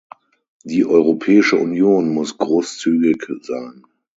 Die Europäische Union muss großzügig sein.